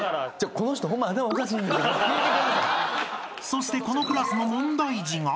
［そしてこのクラスの問題児が］